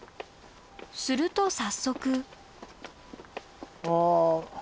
すると早速。